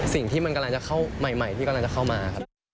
สิ่งที่มันกำลังจะเข้าใหม่ที่กำลังจะเข้ามาครับ